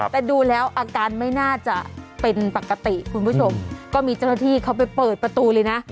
แต่ดูแล้วอาการไม่น่าจะเป็นปกติคุณผู้ชมก็มีเจ้าหน้าที่เขาไปเปิดประตูเลยนะ